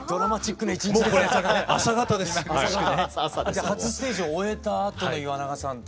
じゃ初ステージを終えたあとの岩永さんと。